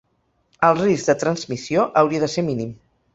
El risc de transmissió hauria de ser mínim.